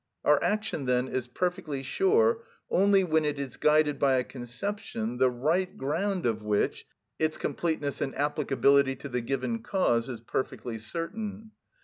Our action then is perfectly sure only when it is guided by a conception the right ground of which, its completeness, and applicability to the given cause is perfectly certain.